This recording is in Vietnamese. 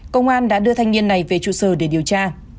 công an đã đưa thanh niên này về trụ sở để điều tra